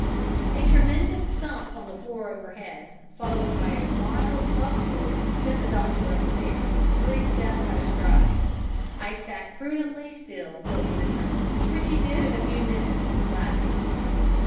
A tremendous thump on the floor overhead, followed by a wild uproar, sent the doctor upstairs three steps at a stride. I sat prudently still till he returned, which he did in a few minutes, laughing.